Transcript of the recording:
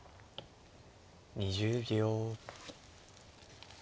２０秒。